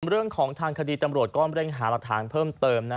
เรื่องของทางคดีตำรวจก็เร่งหารักฐานเพิ่มเติม